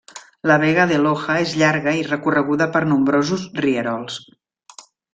La Vega de Loja és llarga i recorreguda per nombrosos rierols.